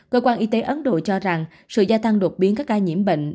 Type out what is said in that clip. cơ quan y tế ấn độ cho rằng sự gia tăng đột biến các ca nhiễm bệnh